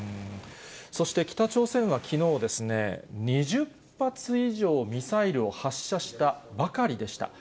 そして北朝鮮はきのうですね、２０発以上、ミサイルを発射したばかりでした。